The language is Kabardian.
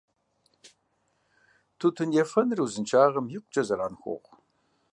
Тутын ефэныр узыншагъэм икъукӀэ зэран хуохъу.